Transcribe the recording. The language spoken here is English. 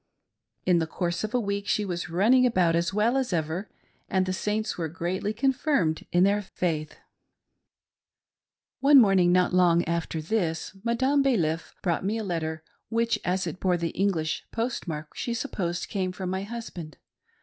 In the course of a week she was running about as well as ever, and the Saints were greatly confirmed in their faith. J 26 A LETTER FROM MARY BURTON. One morning not long after this, Madame Balif brought me a' letter which, as it bore the English post mark, she supposed came from my husband.